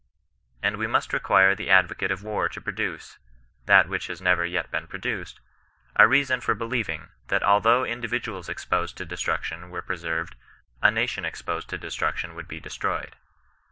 And we must require tho advocate of war to produce {that which has never jeC l>ccn produced) a reason for believing, that althoui^h iiiiltviduals exposed to destruction were pre served, a nation exposed to destruction would be de Btrojcd.